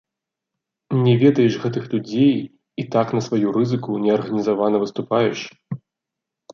Не ведаеш гэтых людзей і так на сваю рызыку неарганізавана выступаеш!